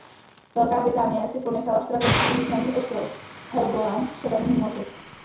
Velká Británie si ponechala strategicky významný ostrov Helgoland v Severním moři.